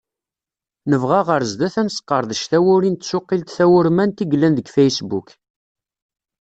Nebɣa ɣer sdat ad nesseqdec tawuri n tsuqilt tawurmant i yellan deg Facebook.